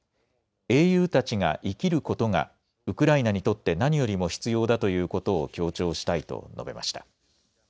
英雄たちが生きることがウクライナにとって何よりも必要だということを強調したいと述べました。